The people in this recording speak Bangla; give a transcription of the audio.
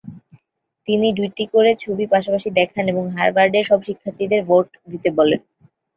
তিনি দুইটি করে ছবি পাশাপাশি দেখান এবং হার্ভার্ডের সব শিক্ষার্থীদের ভোট দিতে বলেন।